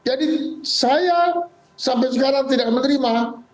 jadi saya sampai sekarang tidak menerima